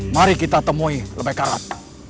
mari kita temui lebekarat